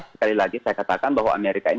sekali lagi saya katakan bahwa amerika ini